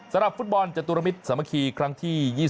สำหรับฟุตบอลจตุรมิตรสามัคคีครั้งที่๒๐